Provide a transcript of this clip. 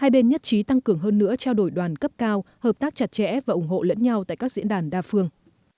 để tăng cường hơn nữa trao đổi đoàn cấp cao hợp tác chặt chẽ và ủng hộ lẫn nhau tại các diễn đàn đa phương